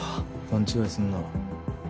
勘違いすんな。